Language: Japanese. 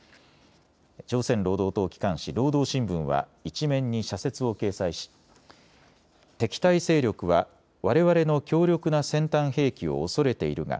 朝鮮労働党機関紙、労働新聞は１面に社説を掲載し敵対勢力はわれわれの強力な先端兵器を恐れているが